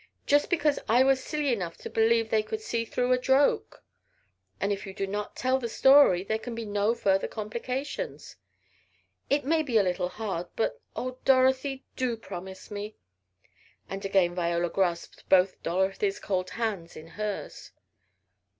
Just because I was silly enough to believe they could see through a joke. And if you do not tell the story, there can be no further complications. It may be a little hard but, oh, Dorothy! do promise me!" and again Viola grasped both Dorothy's cold hands in hers.